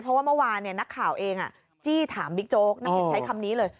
เพราะว่าเมื่อวานเนี่ยนักข่าวเองอ่ะจี้ถามบิ๊กโจ๊กใช้คำนี้เลย